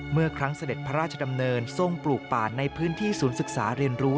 เมื่อครั้งเสด็จพระราชดำเนินทรงปลูกป่านในพื้นที่ศูนย์ศึกษาเรียนรู้